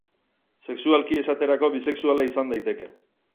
Sexualki, esaterako, bisexuala izan daiteke.